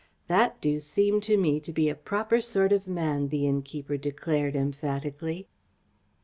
"That do seem to me to be a proper sort of man," the innkeeper declared emphatically.